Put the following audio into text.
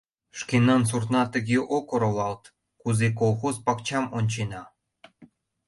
Шкенан суртна тыге ок оролалт, кузе колхоз пакчам ончена.